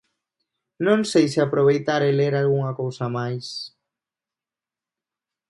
Non sei se aproveitar e ler algunha cousa máis.